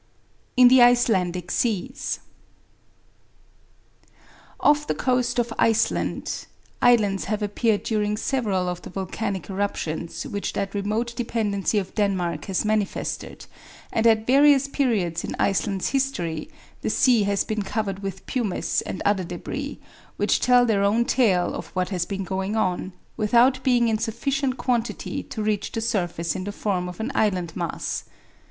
IN THE ICELANDIC SEAS Off the coast of Iceland islands have appeared during several of the volcanic eruptions which that remote dependency of Denmark has manifested, and at various periods in Iceland's history the sea has been covered with pumice and other debris, which tell their own tale of what has been going on, without being in sufficient quantity to reach the surface in the form of an island mass.